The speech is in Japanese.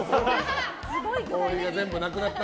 氷が全部なくなって。